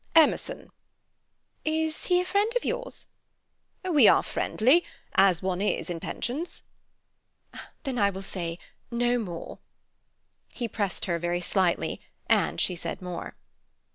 "Emerson." "Is he a friend of yours?" "We are friendly—as one is in pensions." "Then I will say no more." He pressed her very slightly, and she said more.